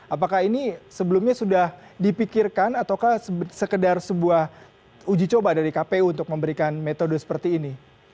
apakah ini sebelumnya sudah dipikirkan ataukah sekedar sebuah uji coba dari kpu untuk memberikan metode seperti ini